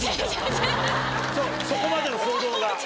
そこまでの行動が。